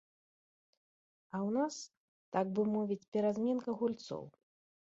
А ў нас, так бы мовіць, перазменка гульцоў.